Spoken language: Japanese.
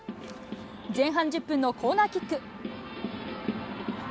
前半１０分のコーナーキック。